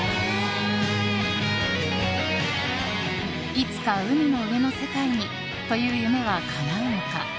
いつか海の上の世界にという夢は叶うのか。